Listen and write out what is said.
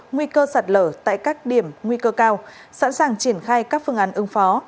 nguy cơ sạt lở tại các điểm nguy cơ cao sẵn sàng triển khai các phương án ứng phó